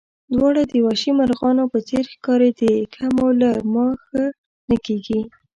دواړه د وحشي مرغانو په څېر ښکارېدې، که مو له ما ښه نه کېږي.